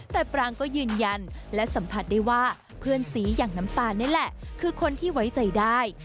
แต่ปรางก็ยืนยันและสัมผัสได้ว่าเพื่อนสีอย่างน้ำตาลนี่แหละคือคนที่ไว้ใจได้